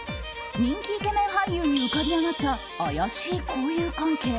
人気イケメン俳優に浮かび上がった怪しい交友関係。